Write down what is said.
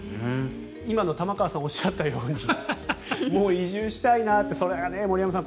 今の玉川さんがおっしゃったようにもう移住したいなというそれだけ森山さん